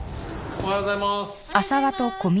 おはようございます。